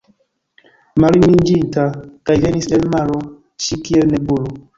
Maljuniĝinta, kaj venis el maro ŝi kiel nebulo